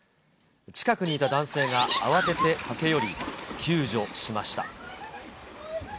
近くにいた男性が慌てて駆け寄り、救助しました。